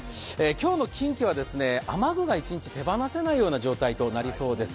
今日の近畿は雨具が一日手放せない状態となりそうです。